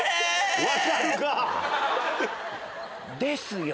わかるか！ですよ。